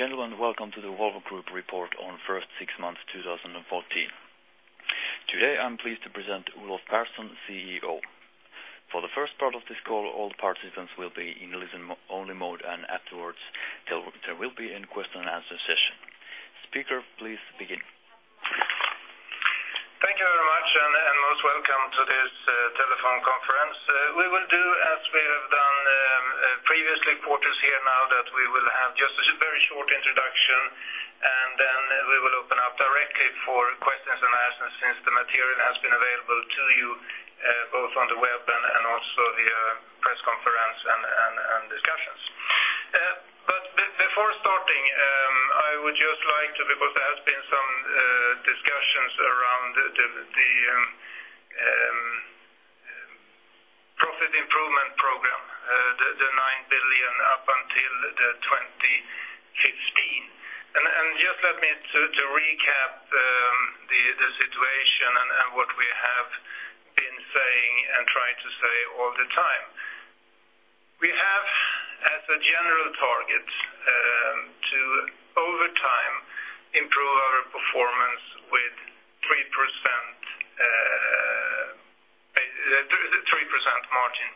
Ladies and gentlemen, welcome to the Volvo Group report on first six months 2014. Today, I'm pleased to present Olof Persson, CEO. For the first part of this call, all participants will be in listen only mode, and afterwards there will be a question and answer session. Speaker, please begin. Thank you very much. Most welcome to this telephone conference. We will do as we have done previous reports here now that we will have just a very short introduction, and then we will open up directly for questions and answers since the material has been available to you both on the web and also the press conference and discussions. Before starting, I would just like to, because there has been some discussions around the profit improvement program, the 9 billion up until 2015, and just let me recap the situation and what we have been saying and trying to say all the time. We have, as a general target, to, over time, improve our performance with 3% margin.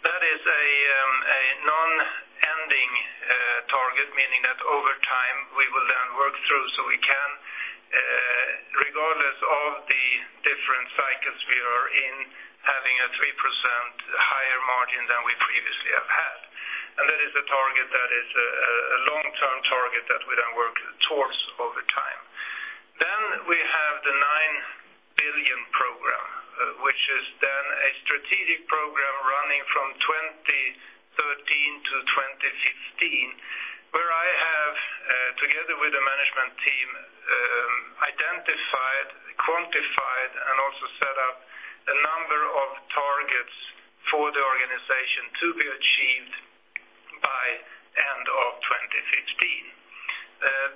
That is a non-ending target, meaning that over time we will then work through so we can, regardless of the different cycles we are in, having a 3% higher margin than we previously have had. That is a target that is a long-term target that we then work towards over time. We have the 9 billion program, which is then a strategic program running from 2013 to 2015, where I have, together with the management team, identified, quantified, and also set up a number of targets for the organization to be achieved by end of 2015.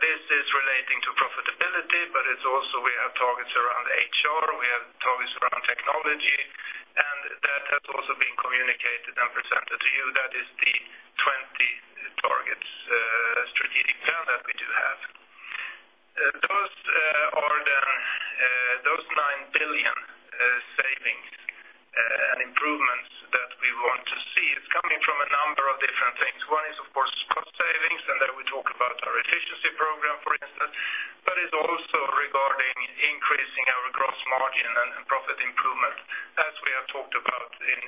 This is relating to profitability, but it's also we have targets around HR, we have targets around technology, and that has also been communicated and presented to you. That is the 20 targets strategic plan that we do have. Those 9 billion savings and improvements that we want to see is coming from a number of different things. One is, of course, cost savings, and there we talk about our efficiency program, for instance, but it's also regarding increasing our gross margin and profit improvement, as we have talked about in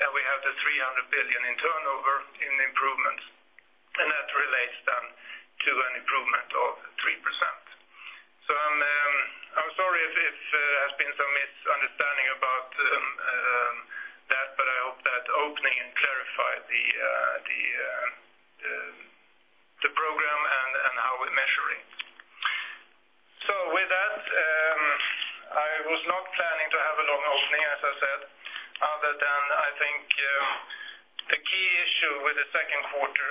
and we have the 300 billion in turnover in improvements, and that relates then to an improvement of 3%. I'm sorry if there has been some misunderstanding about that, but I hope that opening clarified the program and how we measure it. With that, I was not planning to have a long opening, as I said, other than I think the key issue with the second quarter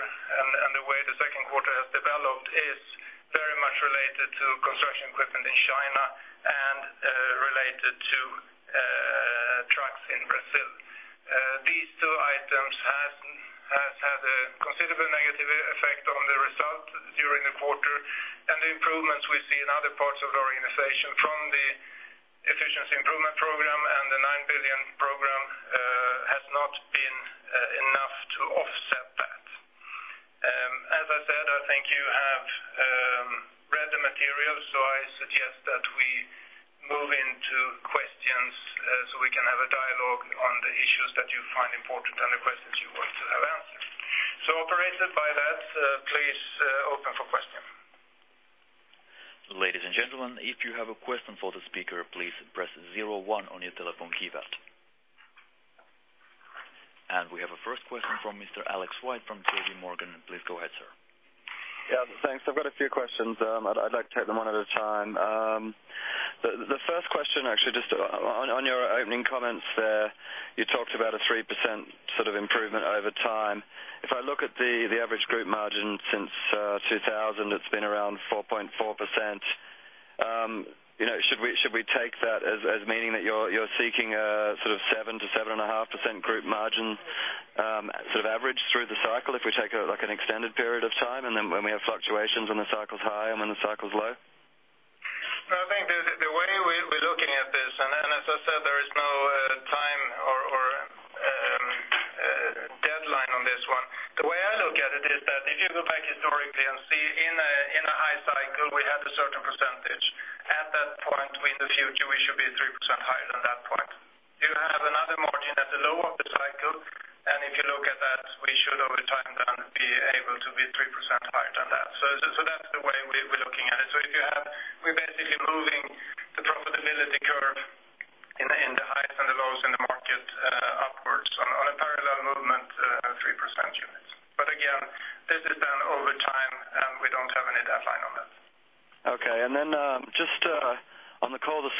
and the way the second quarter has developed is very much related to construction equipment in China and related to trucks in Brazil. These two items have had a considerable negative effect on the result during the quarter, and the improvements we see in other parts of our organization from the efficiency improvement program and the 9 billion program has not been enough to offset that. As I said, I think you have read the material, I suggest that we move into questions so we can have a dialogue on the issues that you find important and the questions you want to have answered. Operator, by that, please open for questions. Ladies and gentlemen, if you have a question for the speaker, please press 01 on your telephone keypad. We have a first question from Mr. Alex Whight from JP Morgan. Please go ahead, sir. Yeah, thanks. I've got a few questions. I'd like to take them one at a time. The first question, actually, just on your opening comments there, you talked about a 3% sort of improvement over time. If I look at the average group margin since 2000, it's been around 4.4%. Should we take that as meaning that you're seeking a 7% to 7.5% group margin average through the cycle if we take an extended period of time, and then when we have fluctuations when the cycle's high and when the cycle's low? I think the way we're looking at this, as I said, there is no time or deadline on this one. The way I look at it is that if you go back historically and see in a high cycle, we had a certain percentage. At that point in the future, we should be 3% higher than that point. You have another margin at the low of the cycle, if you look at that, we should, over time, be able to be 3% higher than that. That's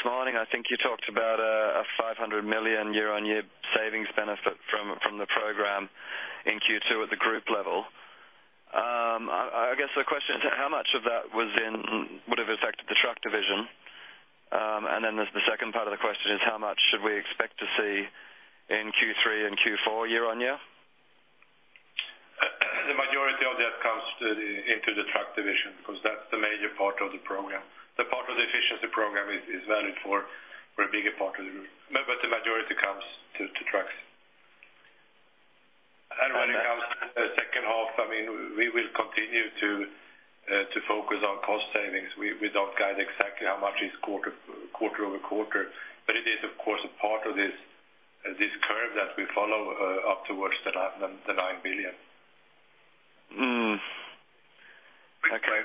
the way we're looking at it. We're basically moving the profitability curve in the highs and the lows in the market upwards on a parallel movement of 3% units. Again, this is done over time, we don't have any deadline on that. Okay. Then just on the call this morning, I think you talked about a SEK 500 million year-on-year savings benefit from the program in Q2 at the group level. I guess the question is how much of that would have affected the Truck Division? Then the second part of the question is how much should we expect to see in Q3 and Q4 year-on-year? The majority of that comes into the Truck Division because that's the major part of the program. The part of the efficiency program is valued for a bigger part of the group. The majority comes to trucks. When it comes to the second half, we will continue to focus on cost savings. We don't guide exactly how much is quarter-over-quarter, but it is, of course, a part of this curve that we follow up towards the 9 billion. Okay.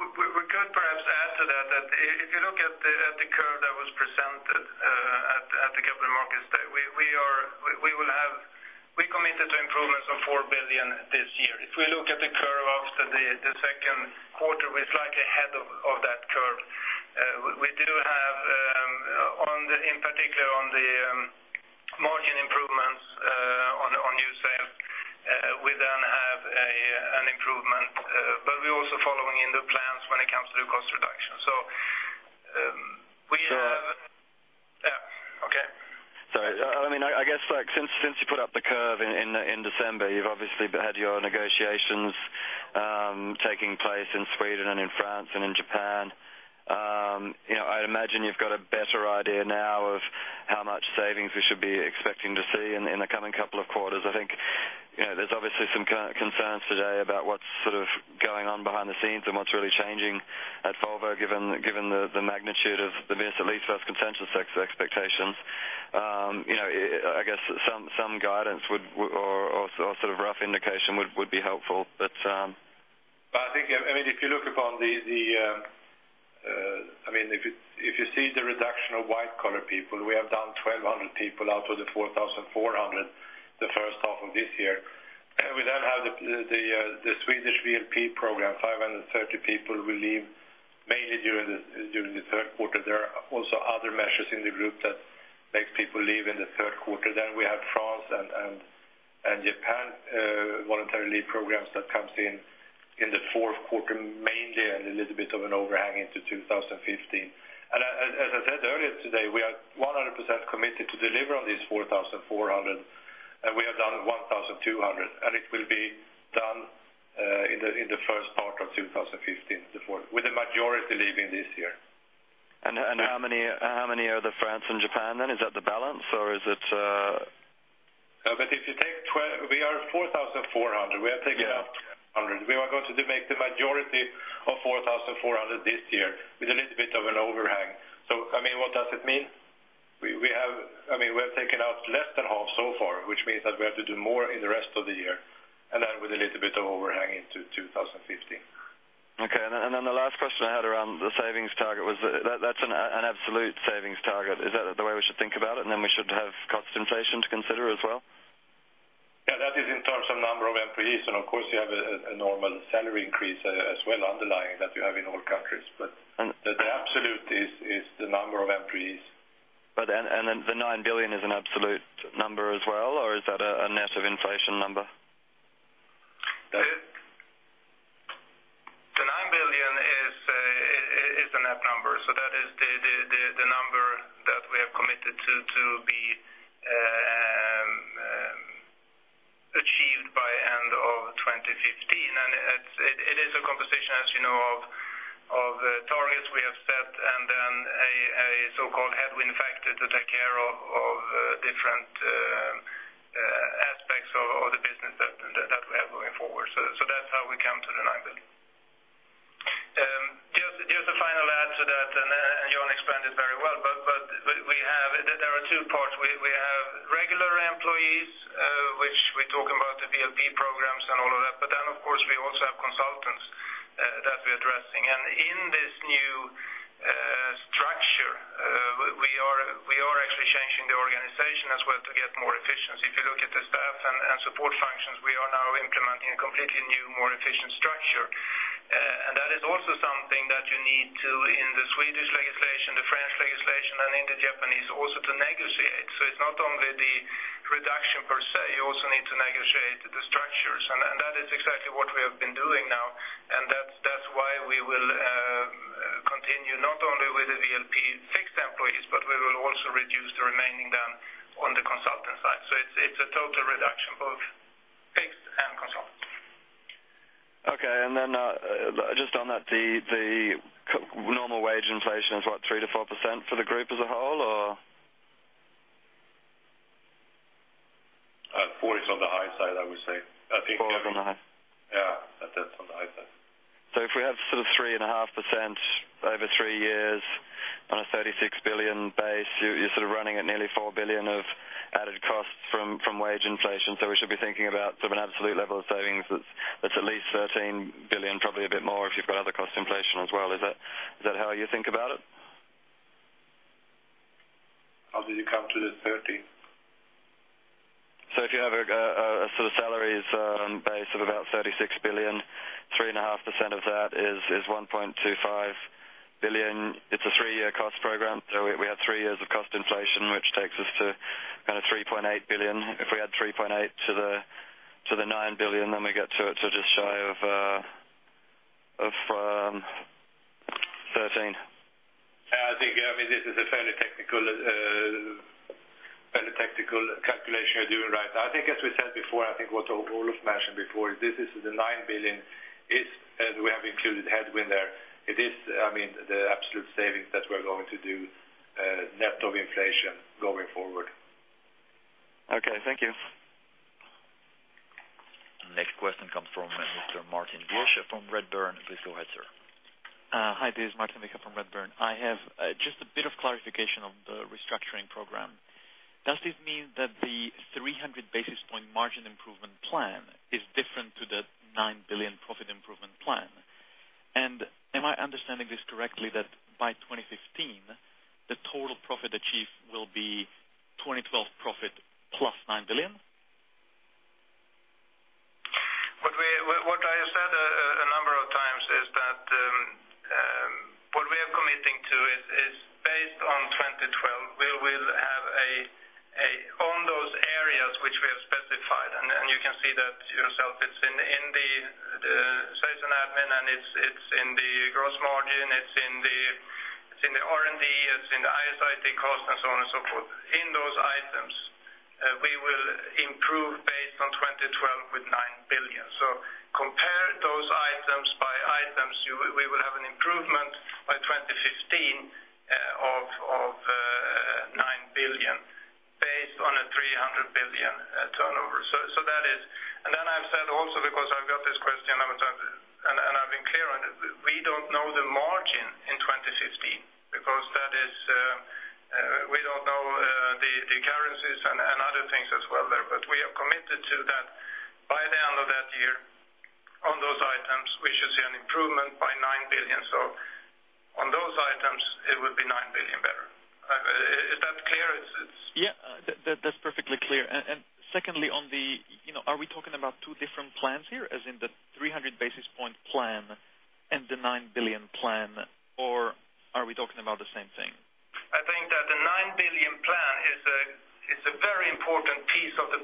We could perhaps add to that if you look at the curve that was presented at the Capital Markets Day, we committed to improvements of 4 billion this year. If we look at the curve after the second quarter, we're slightly ahead of that curve. We do have, in particular, on the margin improvements on new sales, we then have an improvement, we're also following in the plans when it comes to the cost reduction. Yeah, okay. Sorry. I guess since you put up the curve in December, you've obviously had your negotiations taking place in Sweden and in France and in Japan. I imagine you've got a better idea now of how much savings we should be expecting to see in the coming couple of quarters. I think there's obviously some concerns today about what's going on behind the scenes and what's really changing at Volvo, given the magnitude of the missed at least first consensus expectations. I guess some guidance or rough indication would be helpful. I think, if you see the reduction of white-collar people, we have done 1,200 people out of the 4,400 the first half of this year. We have the Swedish VLP program, 530 people will leave mainly during the third quarter. There are also other measures in the group that make people leave in the third quarter. We have France and Japan voluntary leave programs that comes in the fourth quarter, mainly, and a little bit of an overhang into 2015. As I said earlier today, we are 100% committed to deliver on these 4,400, and we have done 1,200, and it will be done in the first part of 2015, with the majority leaving this year. How many are the France and Japan then? Is that the balance? We are 4,400. We have taken out 100. We are going to make the majority of 4,400 this year with a little bit of an overhang. What does it mean? We have taken out less than half so far, which means that we have to do more in the rest of the year, and then with a little bit of an overhang into 2015. Okay. Then the last question I had around the savings target was, that's an absolute savings target. Is that the way we should think about it, and then we should have cost inflation to consider as well? Yeah, that is in terms of number of employees, and of course, you have a normal salary increase as well underlying that you have in all countries. The absolute is the number of employees. Then the 9 billion is an absolute number as well, or is that a net of inflation number? The 9 billion is a net number. That is the number that we have committed to be achieved by end of 2015. It is a composition, as you know, of targets we have set and then a so-called headwind factor to take care of different aspects of the business that we have going forward. That's how we come to the 9 billion. Just a final add to that. Johan explained it very well. There are two parts. We have regular employees, which we talk about the VLP programs and all of that. Of course, we also have consultants that we are addressing. In this new structure, we are actually changing the organization as well to get more efficiency. If you look at the staff and support functions, we are now implementing a completely new, more efficient structure. That is also something that you need to, in the Swedish legislation, the French legislation, and in the Japanese also to negotiate. It is not only the reduction per se, you also need to negotiate the structures. That is exactly what we have been doing now, and that is why we will Consultant side. It is a total reduction, both fixed and consultant. Okay. Just on that, the normal wage inflation is what, 3%-4% for the group as a whole or? 4% is on the high side, I would say. 4 is on the high. Yeah, that's on the high side. If we have 3.5% over three years on a 36 billion base, you're running at nearly 4 billion of added costs from wage inflation. We should be thinking about an absolute level of savings that's at least 13 billion, probably a bit more if you've got other cost inflation as well. Is that how you think about it? How did you come to the 13? If you have a salaries base of about 36 billion, 3.5% of that is 1.25 billion. It's a three-year cost program, so we have three years of cost inflation, which takes us to 3.8 billion. If we add 3.8 to the 9 billion, then we get to just shy of 13. Yeah. I think this is a fairly technical calculation you're doing right. I think as we said before, I think what Olof mentioned before, the 9 billion we have included headwind there. It is the absolute savings that we're going to do, net of inflation, going forward. Okay. Thank you. Next question comes from Mr. Martin Viecha from Redburn. Please go ahead, sir. Hi, this is Martin Viecha from Redburn. I have just a bit of clarification on the restructuring program. Does this mean that the 300 basis points margin improvement plan is different to the 9 billion profit improvement plan? Am I understanding this correctly that by 2015, the total profit achieved will be 2012 profit plus 9 billion? What I have said a number of times is that, what we are committing to is based on 2012. We will have on those areas which we have specified, and you can see that yourself. It's in the sales and admin, and it's in the gross margin, it's in the R&D, it's in the IS/IT cost, and so on and so forth. In those items, we will improve based on 2012 with 9 billion. Compare those items by items, we will have an improvement by 2015 of 9 billion based on a 300 billion turnover. I've said also, because I've got this question a number of times, and I've been clear on it, we don't know the margin in 2015, because we don't know the currencies and other things as well there. We are committed to that by the end of that year on those items, we should see an improvement by 9 billion. On those items, it would be 9 billion better. Is that clear? Yeah. That's perfectly clear. Secondly, are we talking about two different plans here, as in the 300 basis point plan and the 9 billion plan, or are we talking about the same thing? I think that the 9 billion plan is a very important piece of the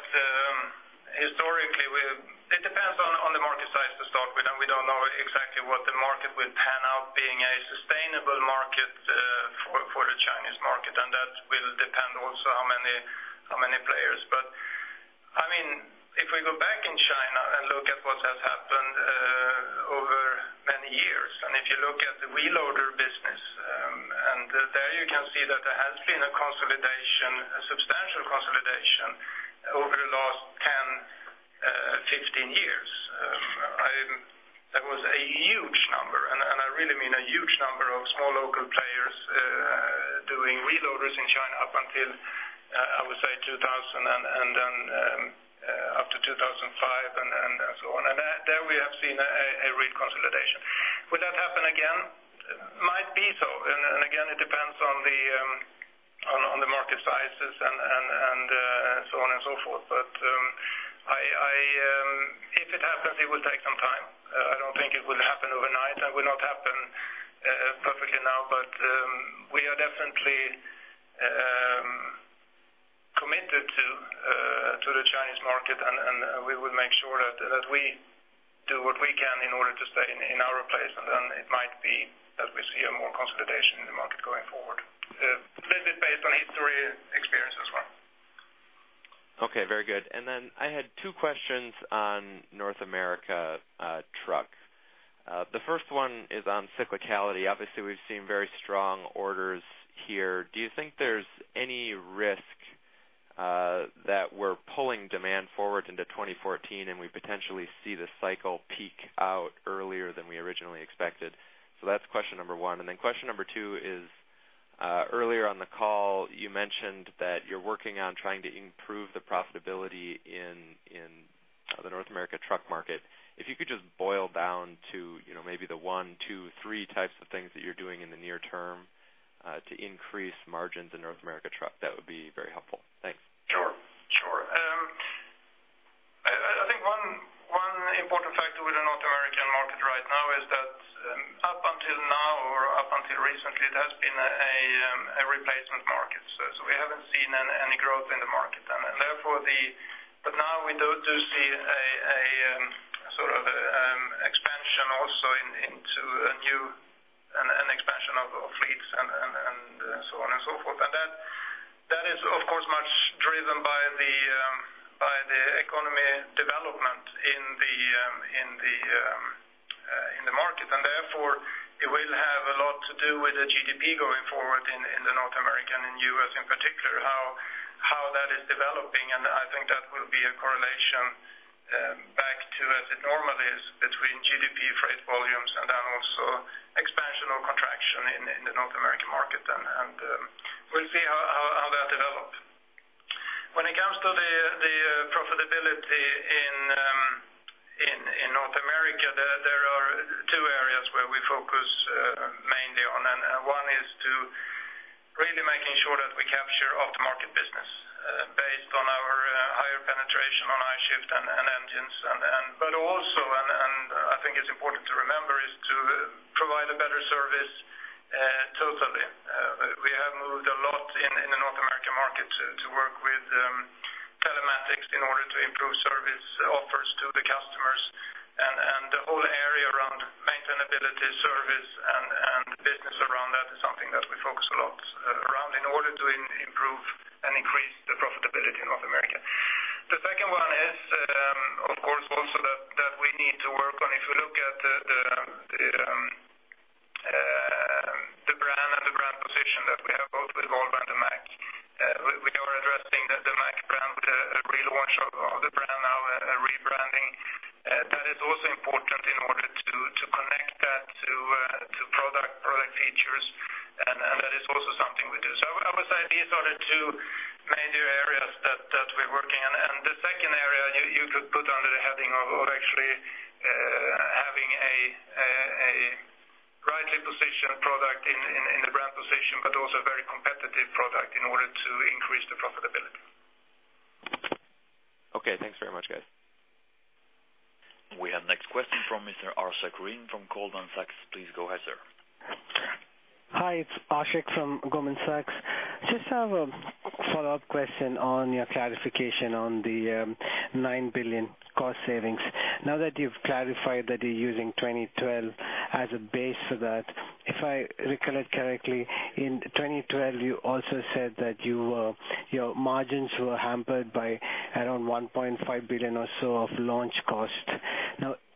market? It's difficult to say, but if you look at historically, it depends on the market size to start with, and we don't know exactly what the market will pan out being a sustainable market, for the Chinese market, and that will depend also how many players. If we go back in China and look at what has happened over many years, and if you look at the wheel loader business, and there you can see that there has been a consolidation, a substantial consolidation over the last 10, 15 years. There was a huge number, and I really mean a huge number of small local players doing wheel loaders in China up until, I would say, 2000, and then up to 2005, and so on. There we have seen a real consolidation. Will that happen again? Might be so. It depends on the market sizes and so on and so forth. If it happens, it will take some time. I don't think it will happen overnight. Definitely committed to the Chinese market, and we will make sure that we do what we can in order to stay in our place. Then it might be that we see more consolidation in the market going forward. A little bit based on history and experience as well. Okay, very good. Then I had two questions on North America truck. The first one is on cyclicality. Obviously, we've seen very strong orders here. Do you think there's any risk that we're pulling demand forward into 2014, and we potentially see the cycle peak out earlier than we originally expected? That's question number 1. Then question number 2 is, earlier on the call, you mentioned that you're working on trying to improve the profitability in the North America truck market. If you could just boil down to maybe the 1, 2, 3 types of things that you're doing in the near term, to increase margins in North America truck, that would be very helpful. Thanks. Sure. I think one important factor with the North American market right now is that up until now or up until recently, it has been a replacement market. We haven't seen any growth in the market. Now we do see a sort of expansion also into a new expansion of fleets and so on and so forth. That is, of course, much driven by the economy development in the market. Therefore, it will have a lot to do with the GDP going forward in the North American and U.S. in particular, how that is developing. I think that will be a correlation back to as it normally is between GDP freight volumes, then also expansion or contraction in the North American market. We'll see how that develops. When it comes to the profitability in North America, there are two areas where we focus mainly on. One is to really making sure that we capture aftermarket business based on our higher penetration on I-Shift and engines. Also, and I think it's important to remember, is to provide a better service totally. We have moved a lot in the North American market to work with telematics in order to improve service offers to the customers. The whole area around maintainability, service, and the business around that is something that we focus a lot around in order to improve and increase the profitability in North America. The second one is, of course, also that we need to work on, if you look at the brand and the brand position that we have, both with Volvo and the Mack. We are addressing the Mack brand with a relaunch of the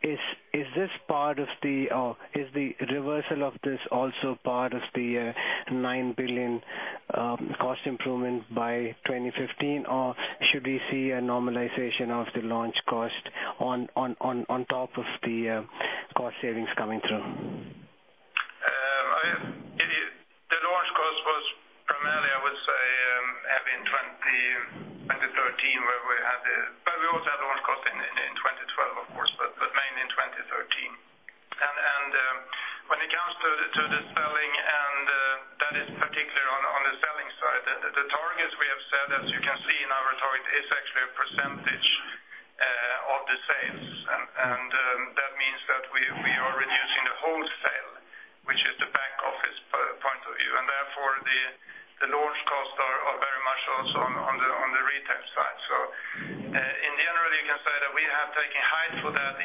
Is the reversal of this also part of the 9 billion cost improvement by 2015, or should we see a normalization of the launch cost on top of the cost savings coming through? The launch cost was primarily, I would say, heavy in 2013, but we also had launch cost in 2012, of course, but mainly in 2013. When it comes to the selling, and that is particular on the selling side, the targets we have set, as you can see in our story, is actually a percentage of the sales. That means that we are reducing the wholesale, which is the back office point of view, and therefore the launch costs are very much also on the retail side. In general, you can say that we have taken height for that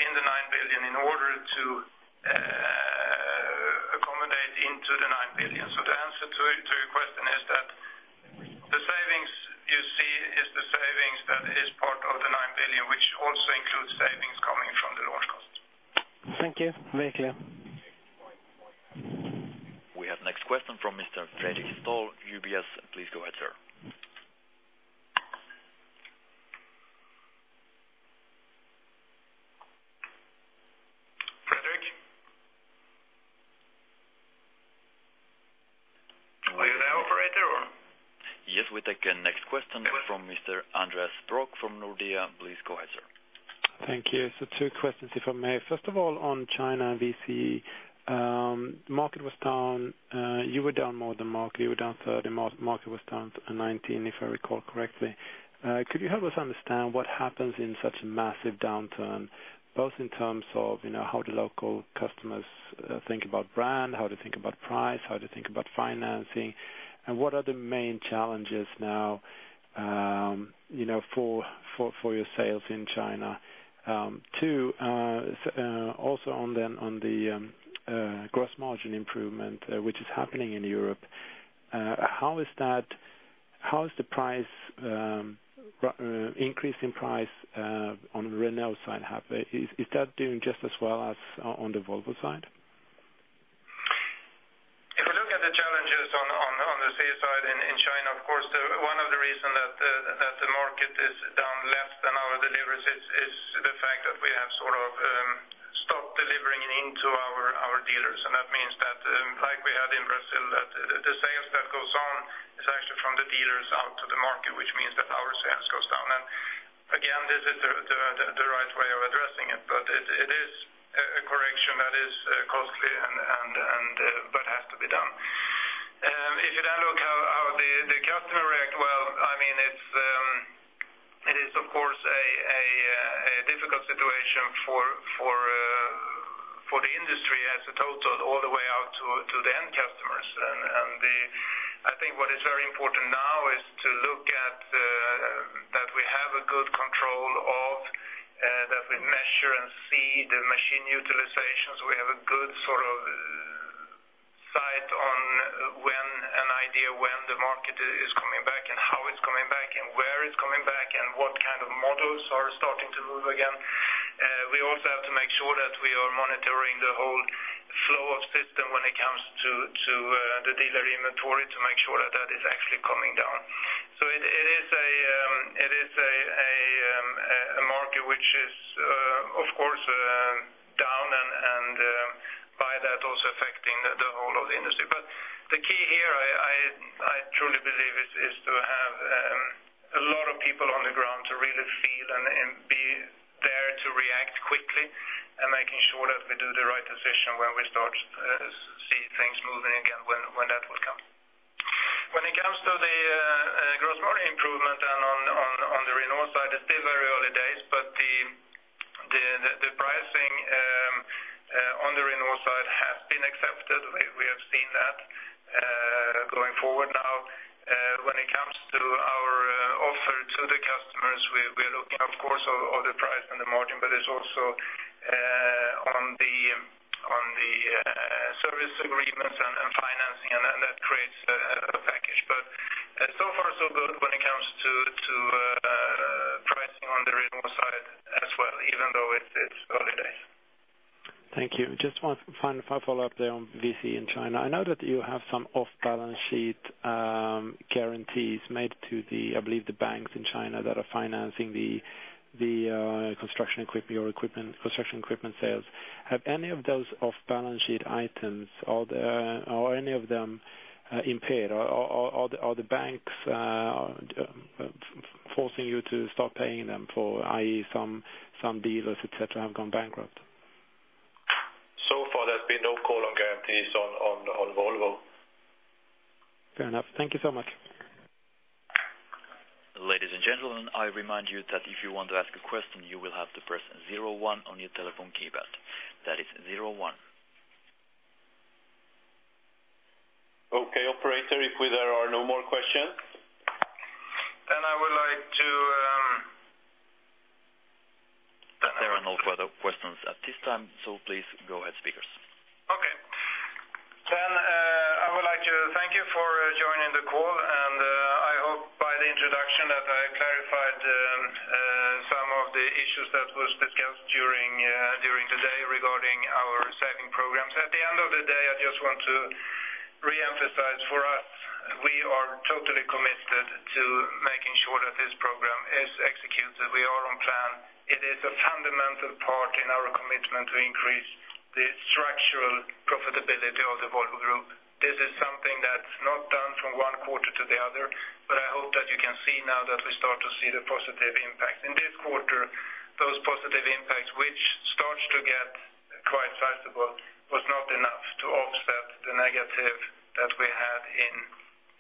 in the SEK 9 billion in order to accommodate into the SEK 9 billion. The answer to your question is that the savings you see is the savings that is part of the SEK 9 billion, which also includes savings coming from the launch costs. Thank you. Very clear. We have next question from Mr. Fredric Stahl, UBS. Please go ahead, sir. Fredric? Are you there operator? Yes, we take next question from Mr. Andreas Brock from Nordea. Please go ahead. Thank you. Two questions, if I may. First of all, on China CE, market was down, you were down more than market, you were down 30, market was down 19, if I recall correctly. Could you help us understand what happens in such a massive downturn, both in terms of how the local customers think about brand, how they think about price, how they think about financing, and what are the main challenges now for your sales in China? Two, also on the gross margin improvement, which is happening in Europe, how is the increase in price on Renault side have? Is that doing just as well as on the Volvo side? If we look at the challenges on the VCE side in China, of course, one of the reason that the market is down less than our deliveries is the fact that we have sort of stopped delivering into our dealers. That means that, like we had in Brazil, that the sales that goes on is actually from the dealers out to the market, which means that our sales goes down. Again, this is the right way of addressing it, but it is a correction that is costly but has to be done. If you then look how the customer react, well, it is of course a difficult situation for the industry as a total all the way out to the end customers. I think what is very important now is to look at that we have a good control of, that we measure and see the machine utilizations. We have a good sort of sight on when the market is coming back, and how it's coming back and where it's coming back, and what kind of models are starting to move again. We also have to make sure that we are monitoring the whole flow of system when it comes to the dealer inventory to make sure that that is actually coming down. It is a market which is, of course, down, and by that, also affecting the whole of the industry. The key here, I truly believe, is to have a lot of people on the ground to really feel and be there to react quickly and making sure that we do the right decision when we start see things moving again, when that will come. When it comes to the gross margin improvement and on the Renault side, it's still very early days, the pricing on the Renault side has been accepted. We have seen that going forward now. When it comes to our offer to the customers, we are looking, of course, on the price and the margin, but it's also on the service agreements and financing, and that creates a package. So far so good when it comes to pricing on the Renault side as well, even though it's early days. Thank you. Just one final follow-up there on VCE in China. I know that you have some off-balance sheet guarantees made to the, I believe the banks in China that are financing your construction equipment sales. Have any of those off-balance sheet items, are any of them impaired? Are the banks forcing you to stop paying them for, i.e., some dealers, et cetera, have gone bankrupt? Far there's been no call on guarantees on Volvo. Fair enough. Thank you so much. Ladies and gentlemen, I remind you that if you want to ask a question, you will have to press 01 on your telephone keypad. That is 01. Okay, operator, if there are no more questions, I would like to There are no further questions at this time, please go ahead, speakers. Okay. I would like to thank you for joining the call, and I hope by the introduction that I clarified some of the issues that was discussed during the day regarding our saving programs. At the end of the day, I just want to reemphasize for us, we are totally committed to making sure that this program is executed. We are on plan. It is a fundamental part in our commitment to increase the structural profitability of the Volvo Group. This is something that's not done from one quarter to the other, but I hope that you can see now that we start to see the positive impact. In this quarter, those positive impacts, which starts to get quite sizable, was not enough to offset the negative that we had in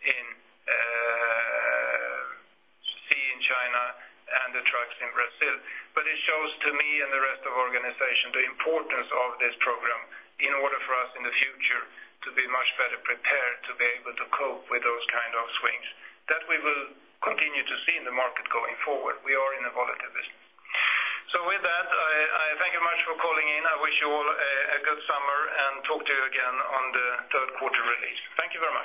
CE in China and the trucks in Brazil. It shows to me and the rest of organization the importance of this program in order for us in the future to be much better prepared to be able to cope with those kind of swings. That we will continue to see in the market going forward. We are in a volatility. With that, I thank you much for calling in. I wish you all a good summer and talk to you again on the third quarter release. Thank you very much.